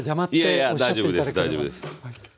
いやいや大丈夫です大丈夫です。